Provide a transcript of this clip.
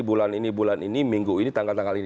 bulan ini bulan ini minggu ini tanggal tanggal ini